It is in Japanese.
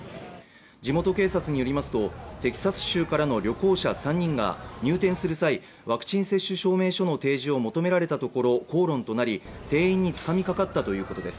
地元警察によりますと、テキサス州からの旅行者３人が入店する際、ワクチン接種証明書の提示を求められたところ口論となり、店員につかみかかったということです。